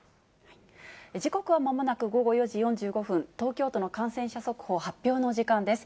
時刻はまもなく午後４時４５分、東京都の感染者速報発表の時間です。